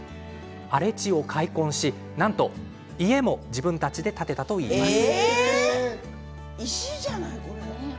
荒れ地を開墾し、なんと家も自分たちで建てたといいます。